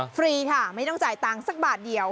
ฟรีค่ะไม่ต้องจ่ายตังค์สักบาทเดียว